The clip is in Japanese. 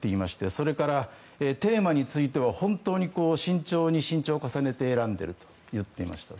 それからテーマについては本当に慎重に慎重を重ねて選んでいると言っていました。